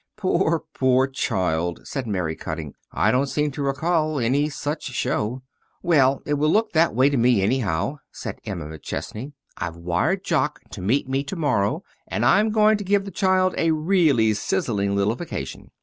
"Poor, poor child," said Mary Cutting, "I don't seem to recall any such show." "Well, it will look that way to me, anyway," said Emma McChesney. "I've wired Jock to meet me to morrow, and I'm going to give the child a really sizzling little vacation.